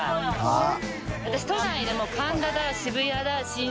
えっ